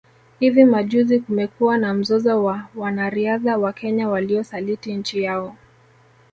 Hivi majuzi kumekuwa na mzozo wa wanariadha wa Kenya waliosaliti nchi yao